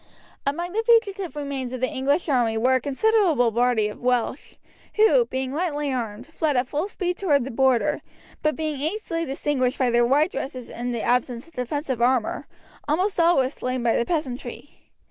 Among the fugitive remains of the English army were a considerable body of Welsh, who, being lightly armed, fled at full speed toward the Border, but being easily distinguished by their white dresses and the absence of defensive armour, almost all were slain by the peasantry.